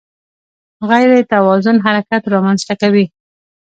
غیر توازن حرکت رامنځته کوي.